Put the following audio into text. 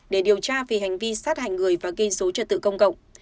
để điều tra về hành vi sát hành người và gây số trật tự công cộng